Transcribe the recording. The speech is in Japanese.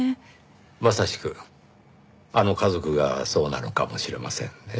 まさしくあの家族がそうなのかもしれませんねぇ。